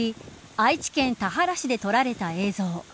愛知県田原市で撮られた映像。